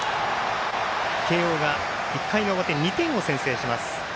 慶応が１回の表２点を先制します。